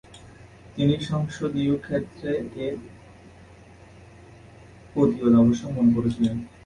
তিনি সংসদযিও ক্ষেত্রে এর প্রতিবাদ আবশ্যক মনে করেছিলেন।